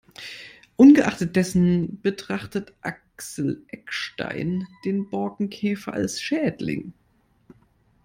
Ungeachtet dessen betrachtet Axel Eckstein den Borkenkäfer als Schädling.